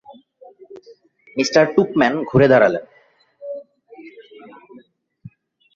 Me. Tupman ঘুরে দাঁড়ালেন।